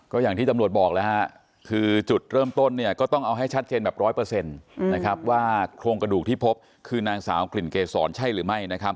ก็อย่างที่ตำรวจบอกแล้วฮะคือจุดเริ่มต้นเนี่ยก็ต้องเอาให้ชัดเจนแบบร้อยเปอร์เซ็นต์นะครับว่าโครงกระดูกที่พบคือนางสาวกลิ่นเกษรใช่หรือไม่นะครับ